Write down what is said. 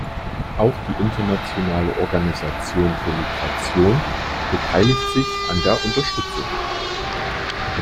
Auch die Internationale Organisation für Migration beteiligt sich an der Unterstützung.